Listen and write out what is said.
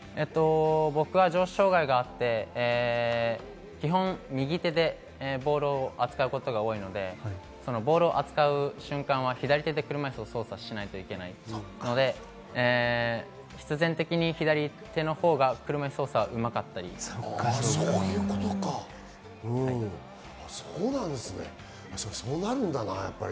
僕は上肢障害があって基本右手でボールを扱うことが多いので、ボールを扱う瞬間は左手で車いすを操作しないといけないので、必然的に左手のほうが車いすをさわるのがうまかったりします。